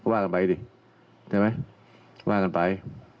ว่ากันไป